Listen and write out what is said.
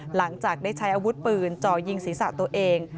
หลังจากได้ใช้อาวุธปืนจ่อยิงศีรษะตัวเอง